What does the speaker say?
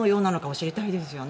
知りたいですよね。